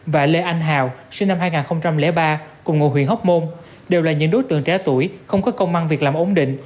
và lê anh hào sinh năm hai nghìn ba cùng ngồi huyện hóc môn đều là những đối tượng trẻ tuổi không có công an việc làm ổn định